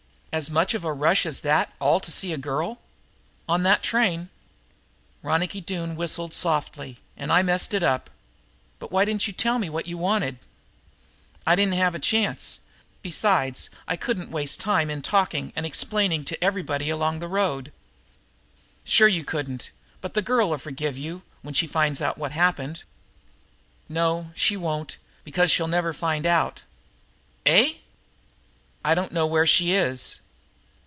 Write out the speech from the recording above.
"As much of a rush as all that to see a girl?" "On that train." Ronicky Doone whistled softly. "And I messed it up! But why didn't you tell me what you wanted?" "I didn't have a chance. Besides I could not waste time in talking and explaining to everybody along the road." "Sure you couldn't, but the girl'll forgive you when she finds out what happened." "No, she won't, because she'll never find out." "Eh?" "I don't know where she is."